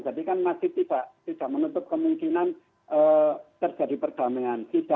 jadi kan masih tidak menutup kemungkinan terjadi perdamaian